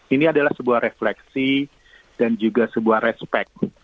ini adalah sebuah refleksi dan juga sebuah respect